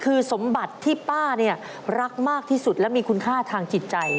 คือสมบัติที่ป้าเนี่ยรักมากที่สุดและมีคุณค่าทางจิตใจ